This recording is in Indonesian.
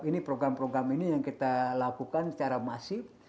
ini program program ini yang kita lakukan secara masif